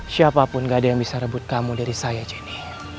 siapapun gak ada yang bisa rebut kamu dari saya jenny